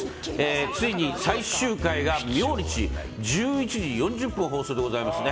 ついに最終回が明日１１時４０分放送でございます。